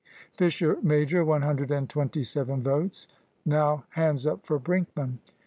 "Fisher major, one hundred and twenty seven votes; now, hands up for Brinkman."